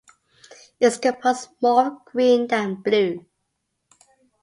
It is composed more of green than blue.